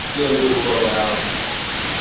Nitie nguvu Baba yangu